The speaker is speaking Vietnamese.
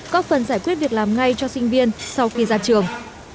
có phần giải quyết việc làm ngay cho sinh viên sau khi ra trường